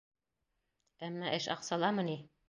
Әммә эш аҡсаламы ни?